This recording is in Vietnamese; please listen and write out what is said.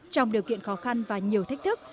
trong điều kiện khó khăn và nhiều thách thức